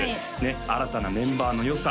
新たなメンバーのよさ